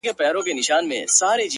لا به په تا پسي ژړېږمه زه”